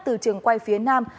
từ trường quay phía nam